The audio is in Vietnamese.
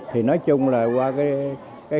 thì nói chung là qua cái khám